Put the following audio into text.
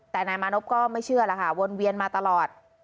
แต่นายมานพก็ไม่เชื่อแล้วค่ะวนเวียนมาตลอด